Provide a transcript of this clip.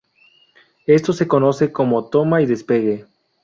Esto se conoce como toma y despegue.